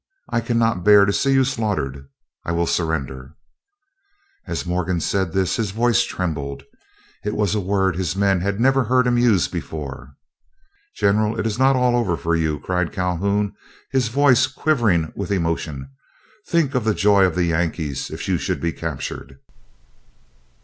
I cannot bear to see you slaughtered. I will surrender." As Morgan said this his voice trembled. It was a word his men had never heard him use before. "General, it is not all over for you," cried Calhoun, his voice quivering with emotion. "Think of the joy of the Yankees if you should be captured.